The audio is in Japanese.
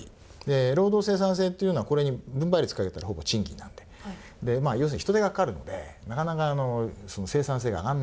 労働生産性っていうのはこれに分配率かけたらほぼ賃金なんで要するに人手がかかるのでなかなか生産性が上がんないんですね。